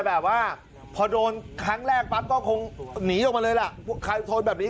แบบว่าพอโดนครั้งแรกปั๊บก็คงหนีออกมาเลยล่ะใครโดนแบบนี้